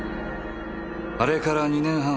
あれから２年半